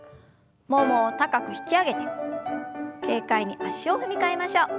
ももを高く引き上げて軽快に足を踏み替えましょう。